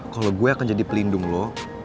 kalo gue akan jadi pelindung lo